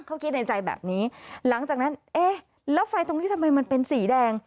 เขาคิดในใจแบบนี้หลังจากนั้นเอ๊ะแล้วไฟตรงนี้ทำไมมันเป็นสีแดง